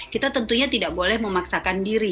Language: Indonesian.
kita tentunya tidak boleh memaksakan diri